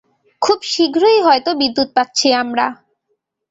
খুব শীঘ্রই হয়তো বিদ্যুত পাচ্ছি আমরা!